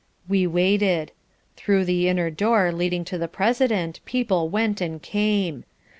We waited. Through the inner door leading to the President people went and came.